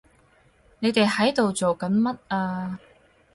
你哋喺度做緊乜啊？